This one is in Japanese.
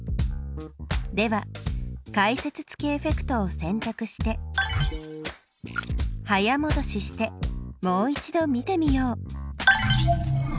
では解説付きエフェクトをせんたくして早もどししてもう一度見てみよう。